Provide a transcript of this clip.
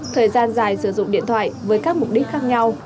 thời gian dài sử dụng điện thoại với các mục đích khác nhau